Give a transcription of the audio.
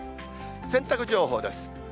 洗濯情報です。